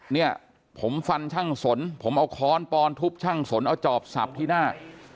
เนี่ยผมฟันช่างสนผมเอาค้อนปอนทุบช่างสนเอาจอบสับที่หน้า